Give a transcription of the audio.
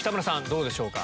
どうでしょうか？